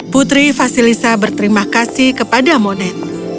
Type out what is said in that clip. putri vasilisa berterima kasih kepada moned